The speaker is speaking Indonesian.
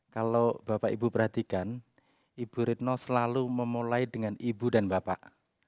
kalau bapak ibu perhatikan ibu retno selalu memulai dengan ibu dan bapak